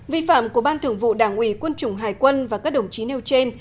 vi phạm của ban thường vụ đảng ủy quân chủng hải quân và các đồng chí nêu trên